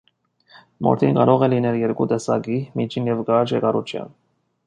Մորթին կարող է լինել երկու տեսակի՝ միջին և կարճ երկարության։